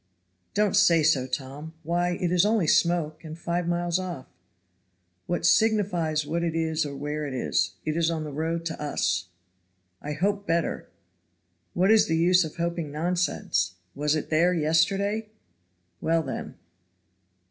"Don't say so, Tom. Why, it is only smoke, and five miles off." "What signifies what it is or where it is? It is on the road to us." "I hope better." "What is the use of hoping nonsense? Was it there yesterday? Well, then."